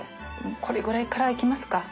これぐらいからいきますか。